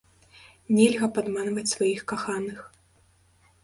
Нельга падманваць сваіх каханых!